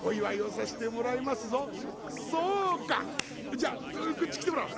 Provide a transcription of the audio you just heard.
じゃあこっち来てもらおう。